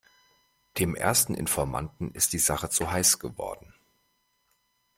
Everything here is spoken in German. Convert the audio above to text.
Dem ersten Informanten ist die Sache zu heiß geworden.